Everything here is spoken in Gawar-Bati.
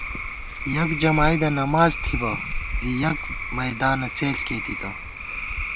یَک جمائیدہ نماڅ تھِبہ ، دی یَک میدانہ څېݪ کېئی تِتہ